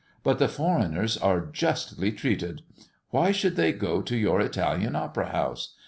But the foreigners are justly treated. Why should they go to your Italian Opera House?